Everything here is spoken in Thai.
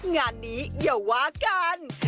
งานนี้อย่าว่ากัน